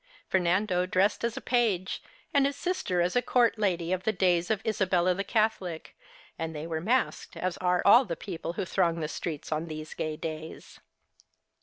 Fernando dressed as a page, and his sister as a court lady of the days 62 Our Little Spanish Cousin of Isabella the Catholic, and they were masked, as are all the people who throng the streets on these gay days.